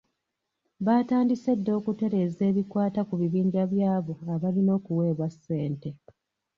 Baatandise dda okutereeza ebikwata ku bibinja by'abo abalina okuweebwa ssente.